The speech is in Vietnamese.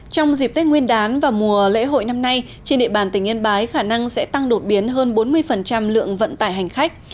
trong dịp tết nguyên đán và mùa lễ hội năm nay trên địa bàn tỉnh yên bái khả năng sẽ tăng đột biến hơn bốn mươi lượng vận tải hành khách